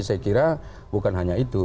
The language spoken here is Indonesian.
saya kira bukan hanya itu